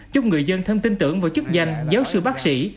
giúp người dân thêm tin tưởng vào chức danh giáo sư bác sĩ